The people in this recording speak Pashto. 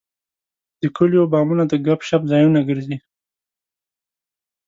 د کلیو بامونه د ګپ شپ ځایونه ګرځي.